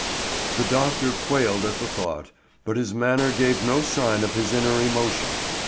_ The doctor quailed at the thought, but his manner gave no sign of his inner emotion.